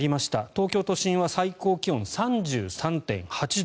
東京都心は最高気温３３．８度。